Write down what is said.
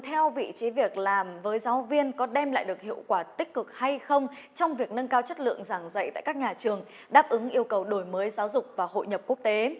thưa quý vị trên thực tế việc trả lương theo vị trí việc làm với giáo viên có đem lại được hiệu quả tích cực hay không trong việc nâng cao chất lượng giảng dạy tại các nhà trường đáp ứng yêu cầu đổi mới giáo dục và hội nhập quốc tế